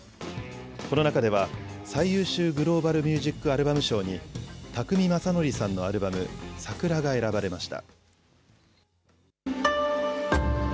この中では最優秀グローバル・ミュージック・アルバム賞に宅見将典さんのアルバム、ＳＡＫＵＲＡが選ばれました。